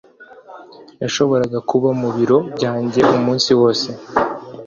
Nashoboraga kuba mu biro byanjye umunsi wose